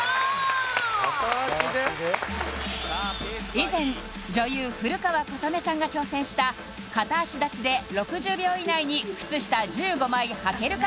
以前女優古川琴音さんが挑戦した片足立ちで６０秒以内に靴下１５枚はけるか？